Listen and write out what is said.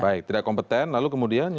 baik tidak kompeten lalu kemudian